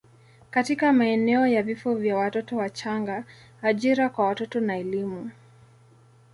katika maeneo ya vifo vya watoto wachanga, ajira kwa watoto na elimu.